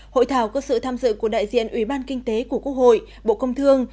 hội thảo có sự tham dự của đại diện ủy ban kinh tế của quốc hội bộ công thương